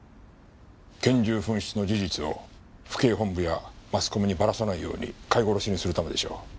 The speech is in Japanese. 拳銃紛失の事実を府警本部やマスコミにばらさないように飼い殺しにするためでしょう。